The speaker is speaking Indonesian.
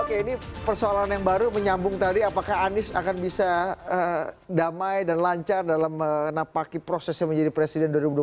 oke ini persoalan yang baru menyambung tadi apakah anies akan bisa damai dan lancar dalam menapaki prosesnya menjadi presiden dua ribu dua puluh